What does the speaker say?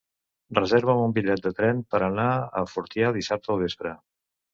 Reserva'm un bitllet de tren per anar a Fortià dissabte al vespre.